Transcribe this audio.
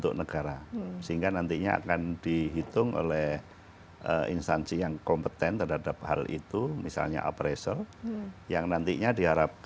kejaksaan akung sendiri itu pak pridat